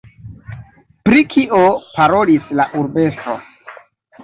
Pri kio parolis la urbestro?